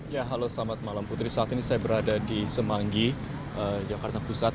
ya halo selamat malam putri saat ini saya berada di semanggi jakarta pusat